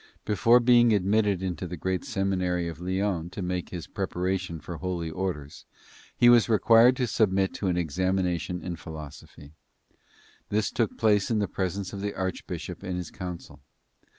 Before being admitted into the great seminary of Lyons to make his preparation for Holy Orders, he was required to submit to an examination in philosophy. This took place in the presence of the archbishop and his council.